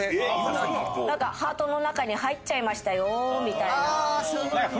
なんかハートの中に入っちゃいましたよみたいな。